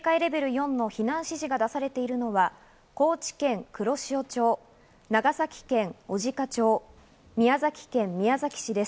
警戒レベル４の避難指示が出されているのは、高知県黒潮町、長崎県小値賀町、宮崎県宮崎市です。